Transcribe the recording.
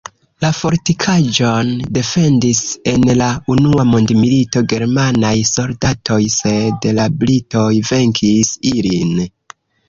La fortikaĵon defendis en la unua mondmilito germanaj soldatoj, sed la britoj venkis ilin.